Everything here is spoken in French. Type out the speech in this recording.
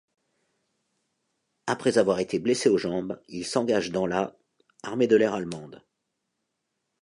Après avoir été blessé aux jambes, il s'engage dans la armée de l'air allemande.